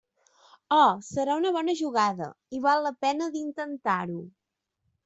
Oh!, serà una bona jugada, i val la pena d'intentar-ho.